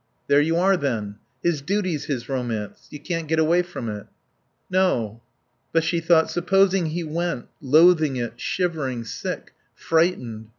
"There you are, then. His duty's his romance. You can't get away from it." "No." But she thought: Supposing he went, loathing it, shivering, sick? Frightened.